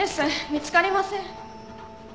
見つかりません。